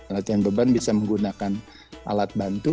latihan beban bisa menggunakan alat bantu